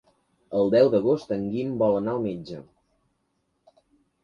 El deu d'agost en Guim vol anar al metge.